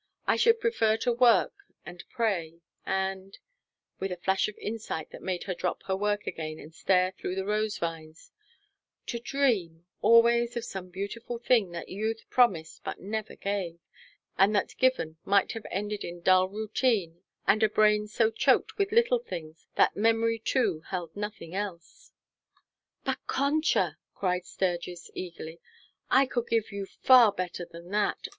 I should prefer to work and pray, and" with a flash of insight that made her drop her work again and stare through the rose vines "to dream always of some beautiful thing that youth promised but never gave, and that given might have ended in dull routine and a brain so choked with little things that memory too held nothing else." "But Concha," cried Sturgis eagerly, "I could give you far better than that.